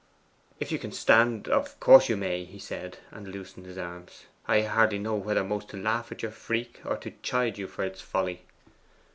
'If you can stand, of course you may,' he said, and loosened his arms. 'I hardly know whether most to laugh at your freak or to chide you for its folly.